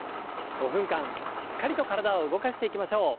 ５分間しっかりと体を動かしていきましょう。